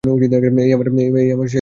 এই আমার শেষ পুরস্কার হইয়াছে।